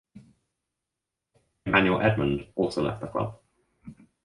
Emmanuel Edmond also left the club.